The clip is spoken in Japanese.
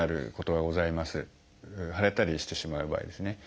腫れたりしてしまう場合ですね。